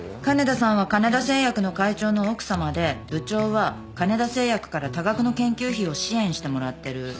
金田さんは金田製薬の会長の奥さまで部長は金田製薬から多額の研究費を支援してもらってる。